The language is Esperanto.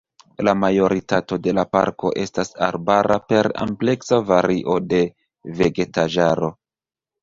La majoritato de la parko estas arbara per ampleksa vario de vegetaĵaro.